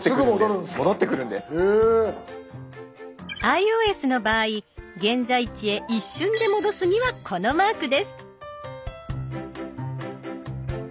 ｉＯＳの場合現在地へ一瞬で戻すにはこのマークです。